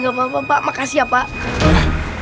gak apa apa pak makasih ya pak